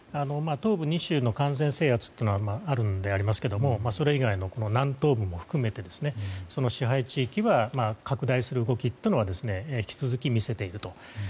東部２州の完全制圧というのはあるのでありますがそれ以外の南東部も含めて支配地域を拡大する動きというのは引き続き見せていると。